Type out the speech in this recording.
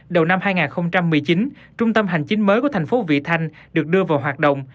đầu năm hai nghìn một mươi chín trung tâm hành chính mới của thành phố vị thanh được đưa vào hoạt động